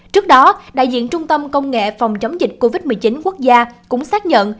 trước đó đại diện trung tâm công nghệ phòng chống dịch covid một mươi chín quốc gia cũng xác nhận